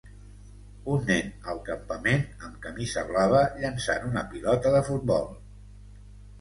Un nen al campament, amb camisa blava, llençant una pilota de futbol.